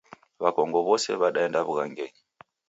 Wakongo wose wadaenda wughangenyi